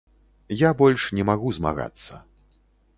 Я больш не магу змагацца.